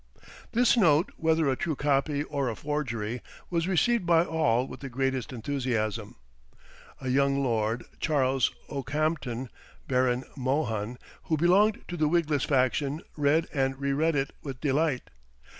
This note, whether a true copy or a forgery, was received by all with the greatest enthusiasm. A young lord, Charles Okehampton, Baron Mohun, who belonged to the wigless faction, read and re read it with delight.